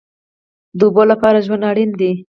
د اوبو لپاره ژوند اړین دی